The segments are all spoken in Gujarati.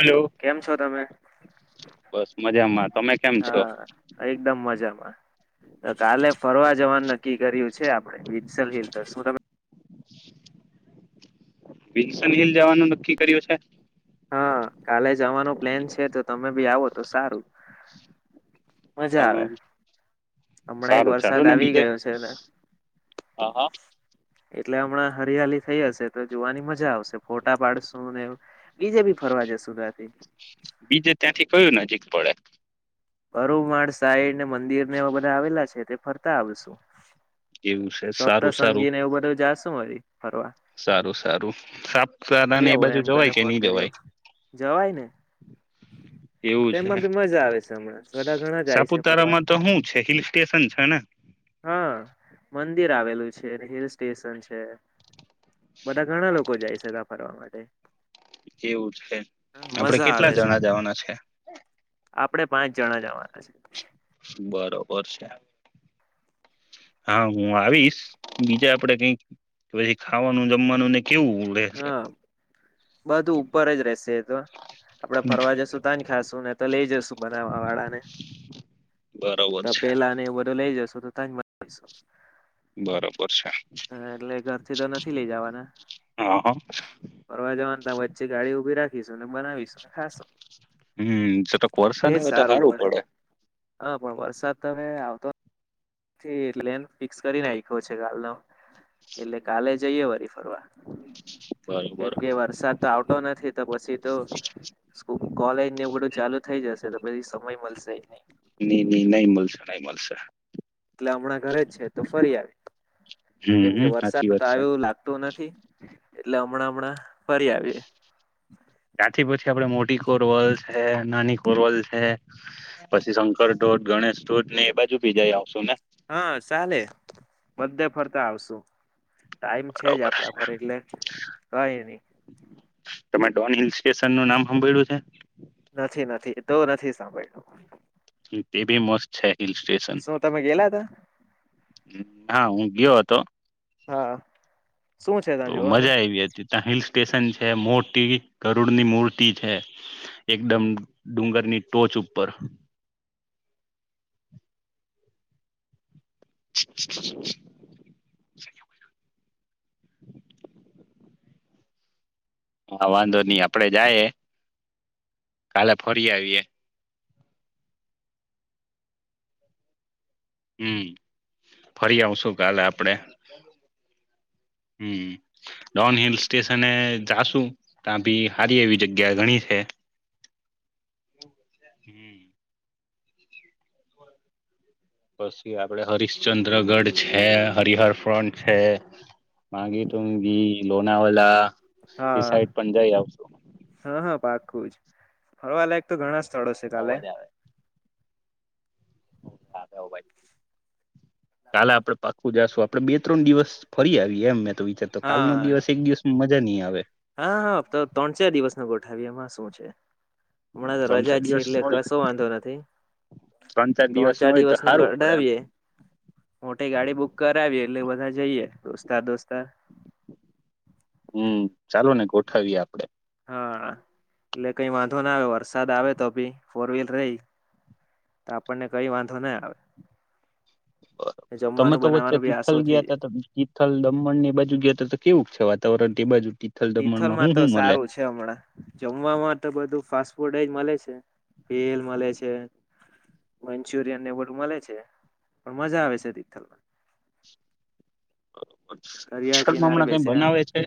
હલો. કેમ છો તમે? બસ મજામાં તમે કેમ છો હા એકદમ મજામાં. કાલે ફરવા જવાનું નક્કી કર્યું છે આપે વિલ્સન હિલ તો શું તમે વિલ્સનહિલ જવાનું નક્કી કર્યું છે? હા કાલે જવાનું પ્લેન છે તો તમે બી આવો તો સારું. હ મજા આવે હ હમણાં એક સારું વરસાદ ચાલું ને આવી બીજે ગયો છે ને હ હા એટલે હમણાં હરિયાલી થઈ હશે તો જોવાની મજા આવશે ફોટા પાડશું ને બીજે બી ફરવા જે સુધાથી બીજે ત્યાંથી કયું નજીક પડે. બરુમાળ સાઈડને મંદિર ને એવા બધા આવેલા છે તે ફરતા આવશુ. એવું છે સારું સારું. [unintelligible] સારું સારું સાપ આવ એમ કરીને ફોન કર્યો જવાય ને એવું છે તેમાં બી મજા આવે છે હમણાં બધા ઘણા જાય છે ફરવા સાપુતારામાં તો શું છે હિલ સ્ટેશન છે ને? હા મંદિર આવેલું છે હિલ સ્ટેશન છે. બધા ઘણા લોકો જાય છે ત ફરવા માટે. એવું છે આપડે મજા આવે કેટલા જણા જવાના છે? આપણે પાંચ જણા જવાના છે. બરોબર છે. હા હું આવીશ બીજા આપડે કઈક પછી ખાવાનું જમવાનું ને કેવું રહેેશે હા બધું ઉપર જ રેશે એ તો આપડે ફરવા જશું તાજ ખાશું ને તો લઈ જશુ બ તપેલા અને એવું બધું લઇ જશો તો તાજ બનાવીશુ. બરોબર છે હા એટલે ઘરથી તો નથી લઇ જવાના હા હા ફરવા જવાનું ત વચ્ચે ગાડી ઉભી રાખ બનાવીશ હા હમ જરાક વરસાદ એજ આવે તો સારું પડે હ. પણ વરસાદ તમે આવતો થી એટલે પલેન ફિક્સ કરીને આખ્યો છે કાલ નો એટલે કાલે જઈએ વરી ફરવા એમ બરોબર કે વરસાદ તો આવતો નથી તો પછી તો કોલેજને એવ બધું ચાલુ થઇ જશે તો પછી સમય મલસે દર ને ની ની નય મલશે નહી મલશે એટલે હમણાં ઘરે જ છે તો ફરી આવે કેમકે હમ સાચી વરસાદ વાત છે આવ લાગતો ન થી એટલે હમણાં હમણાં ફરી આવીએ ત્યાંથી પછી આપડે મોટી કોરવલ છે નાની કોરવલ છે પછી શંકર ધોધ ગણેશ ધોધ ને એ બાજુ બી જય આવશું ને હા ચાલે બધે ફરતા આવશુ. ટાઈમ છે જ બરોબર આપડા પર એટલે કઈ ની તમે ડોન હિલ સ્ટેશન નું નામ હાભળ્યું છે. એ તો નથી સાંભળ તે બી મસ્ત છે હિલ સ્ટેશન શું તમે ગેલા તા હા હું ગયો હતો. હા શું છે તો ત્યાં જોવામાં મજા આયવી હતી ત્યાં હિલ ટેશન છે મોટી ગરુડ ની મૂર્તિ છે એકદમ ડુંગરની ટોચ ઉપર [inaudible] [inaudible] હા વાંધો ની આપડે જાયે કાલે ફરી આવીએ હમ ફરી આવશું કાલે આપડે હમ ડોન હિલ સ્ટેશને જાશું ત્યાં ભી સારી એવી જગ્યા ઘણી છે. પછી આપડે હરિશ્ચંદ્રગઢ છે હરિહર ફ્રન્ટ છે. માગી તુગી લોણવાલા હા એ સાઈડ પણ જઈ આવશુ હા હા પાકું ફરવા લાયક તો ઘણા ચડશે કાલે અવાજ આવે કાલે આપડે પાકું જાશું આપડે બે ત્રણ દિવસ ફરી આવી એમ મે વિચાર તો કાલ હા નો દિવસ એક દિવસ મ જની આવે. હા હા તો ત્રણ ચાર દિવસ નોટ અઠાવ્યમાં શું છે હમણાં તો ત્રણ રજા ચાર જ છે દિવસ એટલે હોય કશો વાંધો નથી ત્રણ ન ચાર હોય તો દિવસ નો સારું પડે એમ ગડાવીએ મોટી ગાડી બુક કરાવીએ એટલે બધા જઈએ દોસ્તાર દોસ્તાર હમ ચાલો ને ગોઠવીએ આપડે હા એટલે કઈ વાંધો ના આવે વરસાદ આવે તો ભી ફોર વ્હીલર રેય તો આપણને કઈ વાંધો ના આવે બ તમે જમવાનું તો વચ્ચે બનાવવાનું બી તિથલ આસો થઈ ગયા ત તિથલ દમણ ની બાજુ ગયા ત તો કેવું છે વાત તાવરન તે બાજુ તિથલ દમણમાં હું તિથલમાં તો હું મલે સારું છે હમણાં જમવાવામાં તો બધું ફાસ્ટ ફૂડ એજ મળે છે ભેલ મળે છે મંચુરિયન એ બધું મળે છે પણ મજા આવે છે તિથલમાં. દરિયા થલમ કિનારે કઈ બેસી રહ્યા બનાવે છે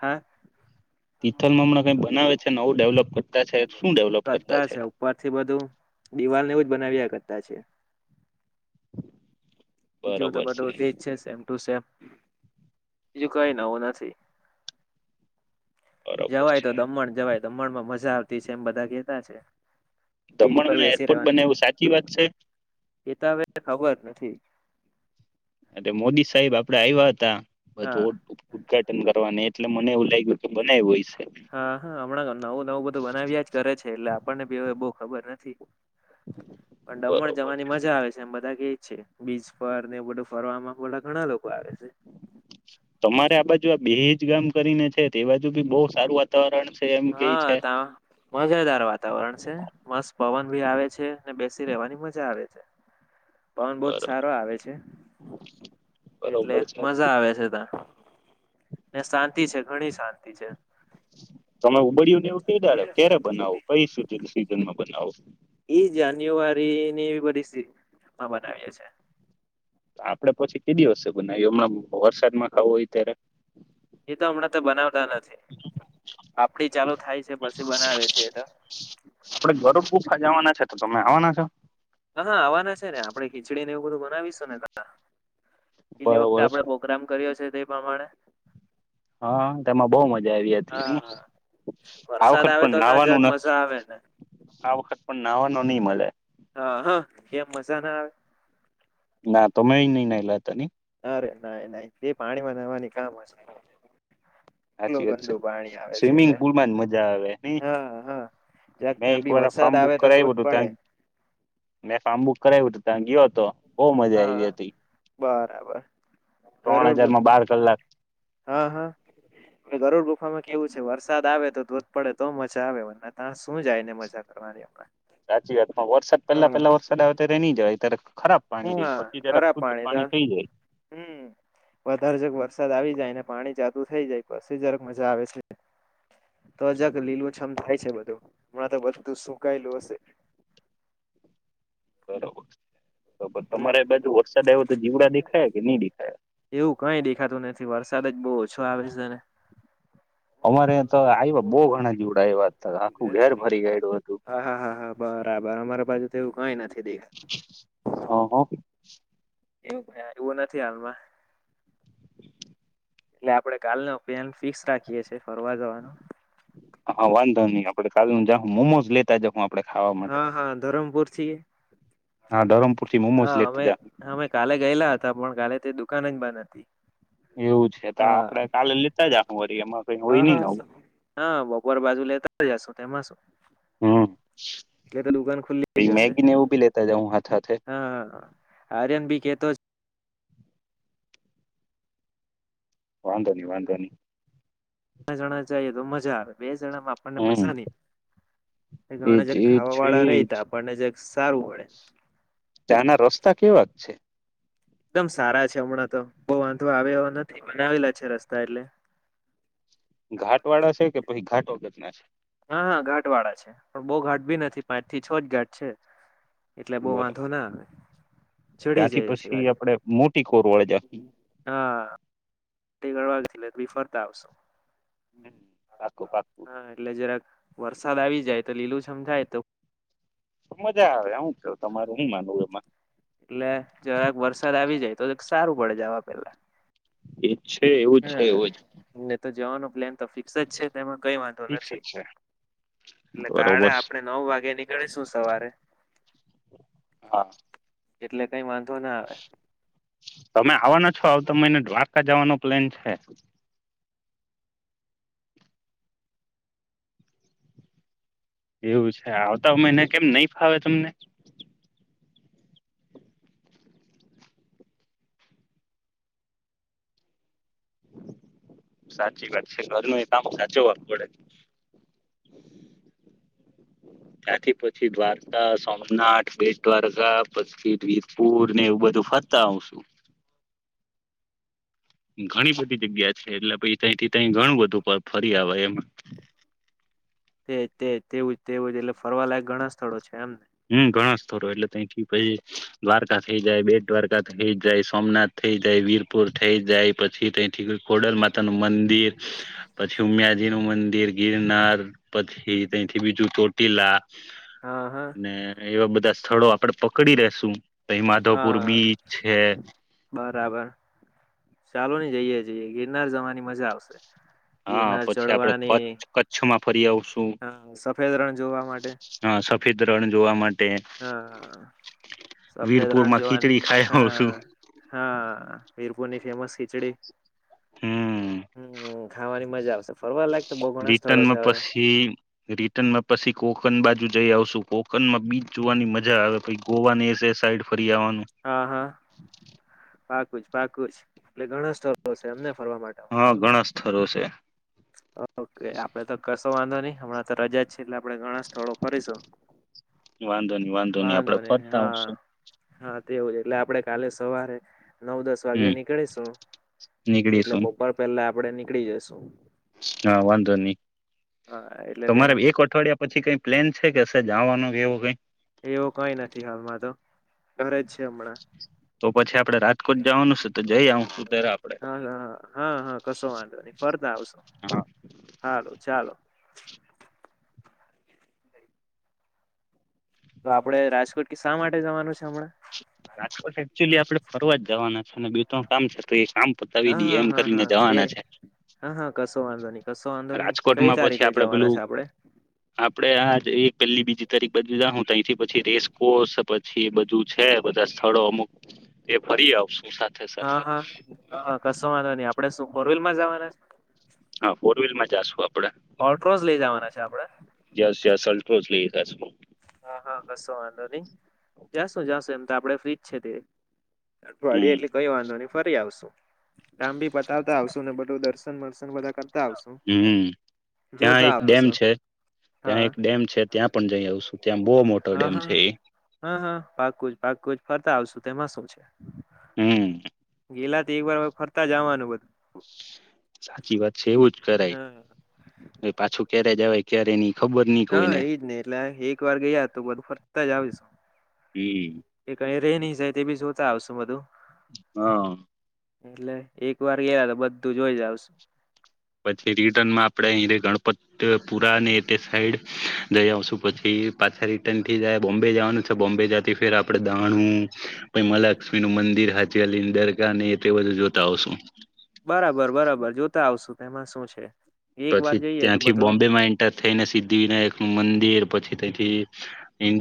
હા તિથલમાં હણા કઈ બનાવે છે નવું ડેવલપ કર કરતા છે ઉપર થી બધું દિવાલ ને એવુજ બનાવ્યા કરતા છે. બીજું તો બધું એ જ છે સેમ ટુ સેમ. બીજું કઈ નવું નથી. બરોબર જવાય છે તો દમણ જવાય દમણમાં મજા આવતી છે એમ બધા કેતા છે. બીચ પર દમણમાં બેસી એરપોર્ટ રહેવાની બને એવું સાચી વાત છે. એ તો હવે ખબર નથી મોદી સાહેબ આપડે આવ્યા હતા હા બધું ઉદ્ઘાટન કરવાની એટલે મને એવું લાગ્યું કે બનાવ્યું હોય છે. હા હા હમણાં નવું નવું બધું બનાવ્યા જ કરે છે એટલે આપણને બી બહ ખબર નથી. પણ દમણ જવાની મજા આવે છે એમ બધા બીજ પર ને બધું ફરવામાં ઘણા લોકો આવે છે તમારે આ બાજુ આ બેજ ગામ કરીને છે તે બાજુ બી બહુ સારું વાતાવરણ છે એમ કે હા છે ત મજેદાર વાતાવરણ છે મસ્ત પવન ી આવે છે ને બેસી રહેેવાની મજા આવે છે. પવન બહ જ બરોબર સારો આવે છે એટલે બરોબર છે મજા આવે છે ત્યા ને શાંતિ છે ઘણી શાંતિ છે [unintelligible] તમે ઉબડ્યું ને એવું ક દડો ક્યારે બનાવો કઈ સુધી સિઝનમાં બનાવો એઈ જાન્યુઆરીની પરિસ્થિતમાં બનાવીએ છે આપડે પછી કે દ વસ્ બ ના હમણાં વરસાદમાં ખાવું હોય ત્યારે એ તો હમણાં તો બનાવતા નથી આપડી ચાલુ થાય છે પછી બનાવે છે એ તો આપડે ગરુડ ગુફા જવાના છે તો તમે આવવાના છો હા હા આવવાના છે ને આપડે ખીચડી ને એવું બધું બનાવીશું ને ત પેલી વખતે બરોબર આપડે છે પ્રોગ્રામ કર્યો છે પ્રમાણે હા તેમાં બઉુ મજા આવી હા આ વરસાદ વખત આવે તો ત્યાં જરાક પણવાનું મજા આવે ને આ વખત પણ નાહવાનું નહી મળે કેમ મજા ના આવે. ના તમે નઈ ના લ હતા નની. ના ના એ પાણીમાં નવાની કામ હશે. એટલું સાચી વાત છે ગંદુ પાણી આવે છે સ્વિમિંગ એટલે પુલમાં જ મજા આવે હા હા જક મેં ત્યાં એક બી વાર ફાર્મ વરસાદ બુક આવે તો તો કરાવ્યું જ હતું પડે ત્યા મે ફારમ બુક કરાવ્યું હતું. ત ગયો હતો. બહ મજા હા આવી હતી બરાબર ત્રણ ગરુડ ગુ હજાર માં બાર કલાક. ગરડ ગુફામાં કેવું છે વરસાદ આવે તો ધોધ પડે તો મજા આવે ત્યાં શું જાય ને મજા કરવાની હમણાં. સાચી વાત માં વરસાદ પેલા પેલા વરસાદ આવે ત તો્યારે હી જવા તર. હા હા ખરાબ પાણી તો થઈ જાય હમ વધારે જગ વરસાદ આવી જાય ને. પાણી જાદુ થઈ જાય પછી જરાક મજા આવે છે તો જક લીલું છમ થાય છે બધું હમણાં તો બધું સુકાયેલું હશે. બરોબર. બબ એટલે તમારે બાજુ વરસાદ આવ્યો તો જીવડા દેખાયા કે નહી દેખાયા. સાથે જ બહુ ઓછો આવે છે તને. અમારે તો આવ્યા બહુ ઘણા જીવડા આવ્યા આખું ઘેર ભરી ગયેલું હતું હા હા હા હા બરાબર અમારે પાજુ તો એવું કઈ નથી દેખાત. હ હ. એવું ક એવું નથી હાલમાં. એટલે આપડે કાલને ઓપિનન ફિક્સ રાખીએ છીએ. ફરવા જવાનું. આપણે કા મોમોસ લેતા જ હા હા ધરમપુર થી. [unintelligible] હા ધરમપુર થી મોમોઝ હા લેતા અમે હતા. અમે કાલે ગયેલા પણ કાલે તે દુકાન જ બંધ હતી. એવું છે તો હા આપડે કાલે લેતા જખું વારી એમાં કઈ હોય હા નહિ નવું હા હા બપોર બાજુ લેતા જશું તેમાં શું હમ્મ. એટલે તો દુકાન ખુલી જશે લેતા જાઉં હાથે હાથે [inaudible] હા આર્યન બી કે તો જ વાંધો નહીં વાંધો નહીં. ઘણા જઈએ તો મજા બે. આપણને હમ મજા નહી, એજ ઘણા એજ ખાવા છે વાળા રહીતા આપણને જે સારું મળે. ત્યાંના રસ્તા કેવા છે એકદમ સારા છે, હમણાં તો બહુ વાંધો આવે એવા નથી બનાવેલા છે, રસ્તા એટલે. ઘાટ વાળા છે, કે પછી ઘાટ વગરના ના [inaudible] હા હા ઘાટ વાળા છે, પણ બહુ ઘાટ ભી નથી પાંચ થી છ જ ઘાટ છે. એટલે બહુ બરોબર વાંધો ના આવે. ચડી ત્યાંથી જાય છે પછી ગાડી આપડે મોટી કોરવાળે જાકી [unintelligible] ઘટી ગળવાથી લ તી ફરતા આવશો. પાકું પાકું હા એટલે જરાક. વરસાદ આવી જાય તો લીલું સમજાય તો મજા આવે હું. કેવ તમારું હું માનવું એમાં એટલે જરાક વરસાદ આવી જાય તો સારું પડે જવા. પેલા એ. છે, એવું જ છે, એવું જ. હમ ને તો જવાનો પ્લેન તો ફિક્સ જ છે, તેમાં કઈ વાંધો ઠીક નથી, છે એટલે કાળે બરોબર છે આપણેે નવ વાગે નીકળીશું સવારે હા. એટલે કઈ માન તો ના આવે. તમે આવવાના છો, આવ તો મને દ્વારકા જવાનો પ્લેન છે. એવું છે, આવતા મહિના કેમ નહી ફાવે તમને સાચી વાત છે, ઘરનું એ કામ સાચો આપ પડે ત્યાંથી પછી દ્વારકા સોમનાથ, બેટ દ્વારકા પછી વિરપુર ને એવું બધું ફરતા આવ છું. ઘણી બધી જગ્યા છે, એટલે પછી તેથી ત ઘણું બધું. ફરી આવે એમ. તે તેવું તેવું એટલે. ફરવા લાયક ઘણા સ્થળો છે, એમ હું ઘણા સ્થળો એટલે તેથી પછી દ્વારકા થઈ જાય, બે દ્વારકા થઇ જાય, સોમનાથ થઇ જાય વીરપુર થઇ જાય, પછી તથી ખોડલ માતા નું મંદિર પછી ઉમિયાજી નું મંદિર ગિરનાર પછી તથી બીજું ચોટીલા. હા હા અને એવા બધા સ્થળો આપડે પકડી રશું પ માધવપુર હા બીચ છે બરાબર ચાલો નની જઈએ જઈએ ગિરનાર જવાની મજા આવશે હા ગિરનાર પછી આપડે ચડવાની કચ્છ કચ્છમાં ફરી આવશું સફેદ રણ જોવા માટે હા સફેદ રણ જોવા માટે હા સફેદ વીરપુર રાણ માં જોવાની ખીચડી ખાઈ હ આવશું હા વીરપુરની ફેમસ ખીચડી હમ ાવાની મજા આવશે ફરવા લાગ રિટર્નમાં પછી રિટર્ન માં પછી કોકન બાજુ જઈ આવશું કોકન માં બીચ જોવાની મજા આવે પછ ગોવા ને એ એ સાઈડ કરિયાવાનું હા હા પાકું જ પાકું જ એટલે ઘણા સ્ટળ છે એમને ફરવા માટે હા હાલમાં ઘણા સ્થળો છે ઓકે આપડે તો કરશો વાંધો નહીહમણાં તો રજા જ છે એટલે આપણે ઘણા સ્થળો ફરીશું વાંધો નહી વાંધો નહી આપડે વાંધોને ફરતા હા આવશું હા તેવું છે એટલે આપડે કાલે સવારે નવ દસ વાગ્યે હમ નીકળીશું એટલે નીકળીશું બપોર પહેલા આપડે ની નીકળી જશું હા વાંધો નહી હા એટલે તમારે તેને એક અઠવાડિયા પછી કઈ પ્લેન છે કે જવાનું કેવો કઈ એવું કઈ નથી હાલમાં તો ઘરે જ છે હમણાં તો પછી આપડે રાજકોટ જવાનું છે તો જઈ આવશું ત્યારે આપડે હ હા હા કશો વાંધો નહી ફરતા આવશો હા હાલો ચાલો [unintelligible] તો આપડે રાજકોટ કે શા માટે જવાનું છે હમણાં રાજકોટ એકચુલી આપડે ફરવા જ જવાના છે અને બજ કામ કરતો છે કામ પતાવી હા દઈએ હા એમ હા કરીને હા બે જવાના છે હ હા કશો વાંધો નહી કશો વાંધો નહી કઈ રાજકોટમાં પછી તારીખે આપડે જવાના પેલું છે આપડે આપડે આ એક પેલી બીજી તારીખ બધી જા હું તહીથી પછી રેસકોસ પછી બધું છે બધા સ્થળો અમુક એ ફરી આવશ હા હા હ કશો વાંધો નહી આપડે સુપોરવેલમાં જવાના હા ફોર વ્હીલ માં જશું આપ ઓટોજ લઈ જવાના છે આપડે રોજ લઈ જશે હા હા કશો વાંધો નહી જાશું જાશું એમ તો આપડે ફ્રીજ છે તે અઠવાડિે હમ એટલે કઈ વાંધો નહી ફરી આવશું કામ ભી પતાવતા આવશુંને બધું દરશ સન મળશેને બધાક હમ ત્યાં એક ડેમ આવશું છે ત્યાં હા એક ડેમ છે ત્યાં પણ જઈ આવશું. ત્યાં બહુ મોટો હા ડેમ છે એ પાકુ જ ફરતા આવશું તેમાં શું છે. હમ ગેલા તો એક વાર અવે ફરતા જ આવાનું બધું સાચી વાત છે એવું જ કરાય હા ને પાછું ક્યારે જવાય અત્યારે એની હા એજ ને એટલે એક વાર ગયા તો બધું ફરતા જ આવીશું હમ એક અયા રેયની જાય તે બી જોતા આવશું બધું હા એટલે એક વાર ગયા તો બધું જોઈ જ આવશું પછી રિટર્નમાં આપડે અહીં રે ગણ પત પુરા ને તે સાઈડ જઈ આવશું પછી પાછા રિટર્નથી જાય બોમ્બે જવાનું છે બોમ્બે જતી ફેરા આપડે દાણું પહી મહાલક્ષ્મીનું મંદિર હાજયા અલીની દરગાહ ને તે બધું જોતા આવશું. બરાબર બરાબર જોતા આવશું. એમાં શું છે. એક વાર પછી જઈએ તો ત્યાંથી બધું બોમ્બેમાં એન્ટર થઈને સિદ્ધિ વિનાયકનું મંદિર પછી તેથી ઇન્ડિયા